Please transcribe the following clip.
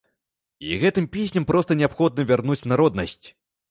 І гэтым песням проста неабходна вярнуць народнасць.